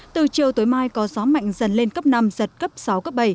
từ chiều tối mai có gió mạnh dần lên cấp năm giật cấp sáu cấp bảy